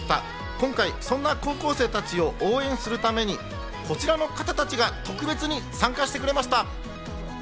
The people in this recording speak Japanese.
今回、そんな高校生たちを応援するためにこちらの方たちが特別に参加してくれました。